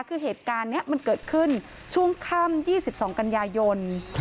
คือเหตุการณ์นี้มันเกิดขึ้นช่วงค่ำ๒๒กันยายน